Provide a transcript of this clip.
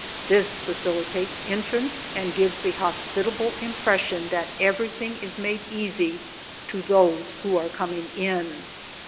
This facilitates entrance and gives the hospitable impression that everything is made easy to those who are coming in.